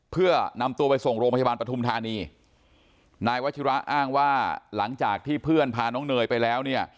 เพื่อนำตัวไปส่งโรงพยาบาลปฐุมธานีนายวัชิระอ้างว่าหลังจากที่เพื่อนพาน้องเนยไปแล้วเนี่ย